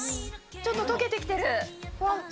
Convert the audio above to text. ちょっと溶けてきてる。